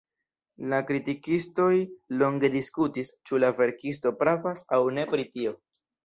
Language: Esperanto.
La kritikistoj longe diskutis, ĉu la verkisto pravas aŭ ne pri tio.